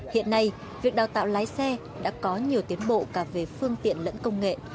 hiện nay việc đào tạo lái xe đã có nhiều tiến bộ cả về phương tiện lẫn công nghệ